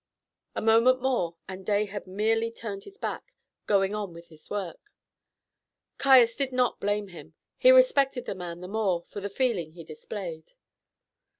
A moment more, and Day had merely turned his back, going on with his work. Caius did not blame him; he respected the man the more for the feeling he displayed.